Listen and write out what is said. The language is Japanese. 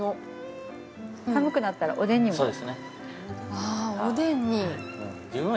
あおでんに！